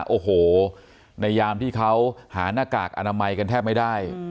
โอ้โหในยามที่เขาหาหน้ากากอนามัยกันแทบไม่ได้